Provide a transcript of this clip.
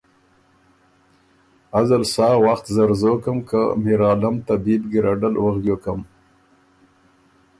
ازل سا وخت زر زوکم که میرعالم طبیب ګیرډل وغیوکم۔